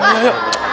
hah repot gak dia